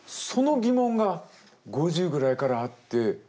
その疑問が５０ぐらいからあって。